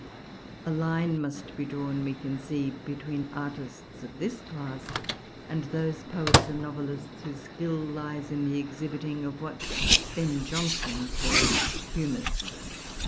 A line must be drawn, we conceive, between artists of this class, and those poets and novelists whose skill lies in the exhibiting of what Ben Jonson called humors.